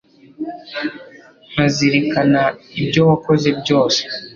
nkazirikana ibyo wakoze byose